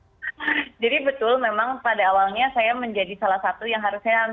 jadi betul memang pada awalnya saya menjadi salah satu yang harusnya